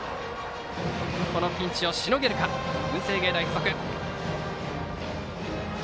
このピンチをしのげるか文星芸付属。